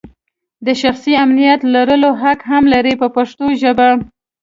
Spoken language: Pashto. د شخصي امنیت لرلو حق هم لري په پښتو ژبه.